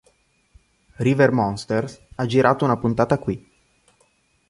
River monsters ha girato una puntata qui